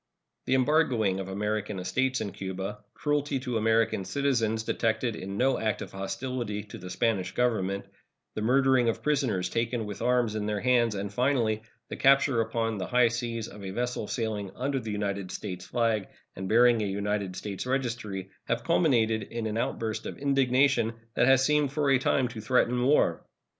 The embargoing of American estates in Cuba, cruelty to American citizens detected in no act of hostility to the Spanish Government, the murdering of prisoners taken with arms in their hands, and, finally, the capture upon the high seas of a vessel sailing under the United States flag and bearing a United States registry have culminated in an outburst of indignation that has seemed for a time to threaten war.